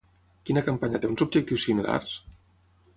Quina campanya té uns objectius similars?